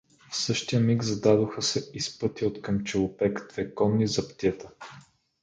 В същия миг зададоха се из пътя откъм Челопек две конни заптиета.